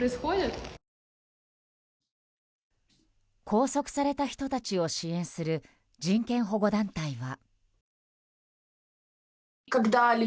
拘束された人たちを支援する人権保護団体は。